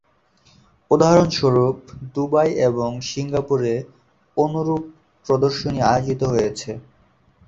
উদাহরণস্বরূপ দুবাই এবং সিঙ্গাপুরে অনুরূপ প্রদর্শনী আয়োজিত হয়েছে।